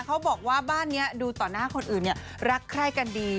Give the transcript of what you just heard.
เขาบอกว่าบ้านนี้ดูต่อหน้าคนอื่นเนี่ยรักใคร่กันดี